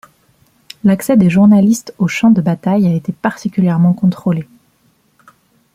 L’accès des journalistes aux champs de bataille a été particulièrement contrôlé.